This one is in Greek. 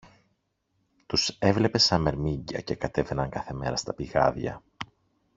Τους έβλεπες σα μερμήγκια και κατέβαιναν κάθε μέρα στα πηγάδια